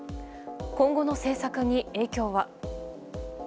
今後の政策に影響は。